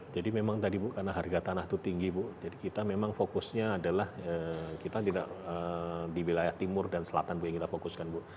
jadi memang tadi bu karena harga tanah itu tinggi bu jadi kita memang fokusnya adalah kita di wilayah timur dan selatan yang kita fokuskan bu